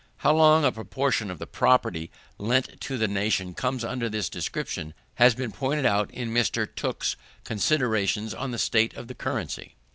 How large a proportion of the property lent to the nation comes under this description, has been pointed out in Mr. Tooke's _Considerations on the State of the Currency.